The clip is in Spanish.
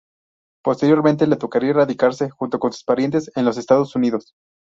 Posteriormente le tocaría radicarse junto con sus parientes en los Estados Unidos.